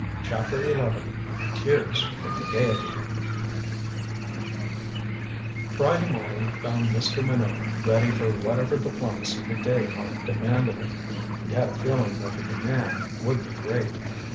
CHAPTER XI TEARS FROM THE GAIETY Friday morning found Mr. Minot ready for whatever diplomacy the day might demand of him. He had a feeling that the demand would be great.